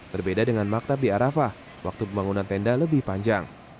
berbeda dengan maktab di arafah waktu pembangunan tenda lebih panjang